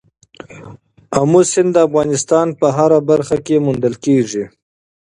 آمو سیند د افغانستان په هره برخه کې موندل کېږي.